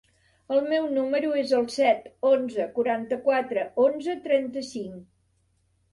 El meu número es el set, onze, quaranta-quatre, onze, trenta-cinc.